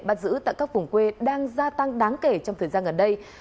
bắt giữ tại các vùng quê đang gia tăng đáng kể trong thời gian gần đây